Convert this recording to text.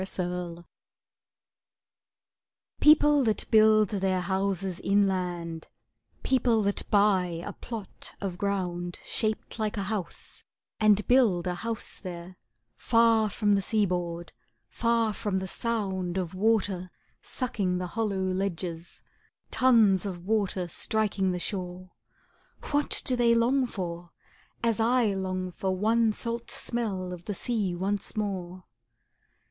INLAND People that build their houses inland, People that buy a plot of ground Shaped like a house, and build a house there, Far from the sea board, far from the sound Of water sucking the hollow ledges, Tons of water striking the shore,— What do they long for, as I long for One salt smell of the sea once more?